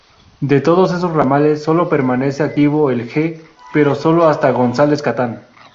De todos esos ramales, sólo permanece activo el G, pero sólo hasta González Catán.